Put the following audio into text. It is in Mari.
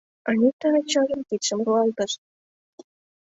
Анита ачажын кидшым руалтыш.